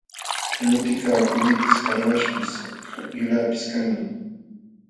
Kamutikaq kullipis, qarwaśhpis, yulaqpis kanmi.